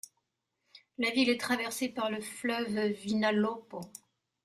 La ville est traversée par le fleuve Vinalopó.